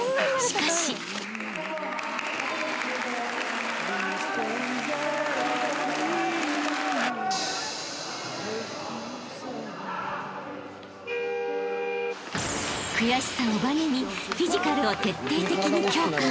［悔しさをばねにフィジカルを徹底的に強化］